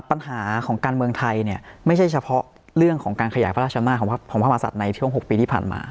ปัญหาของการเมืองไทยเนี่ยไม่ใช่เฉพาะเรื่องของการขยายพระราชอำนาจของพระมหาศัตริย์ในช่วง๖ปีที่ผ่านมา